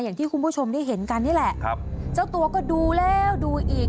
อย่างที่คุณผู้ชมได้เห็นกันนี่แหละครับเจ้าตัวก็ดูแล้วดูอีก